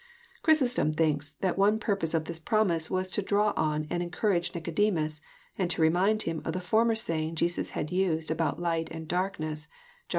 Chrysostom thinks that one purpose of this promise was to draw on and encourage Kicodemus, and to remind him of the former saying Jesus had used al>out light and darkness, John iU.